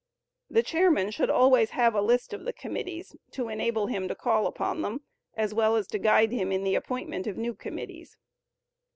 The chairman should always have a list of the committees, to enable him to call upon them, as well as to guide him in the appointment of new committees.